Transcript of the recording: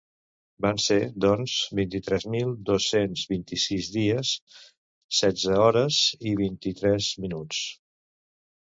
Van ser, doncs, vint-i-tres mil dos-cents vint-i-sis dies, setze hores i vint-i-tres minuts.